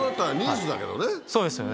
そうですよね。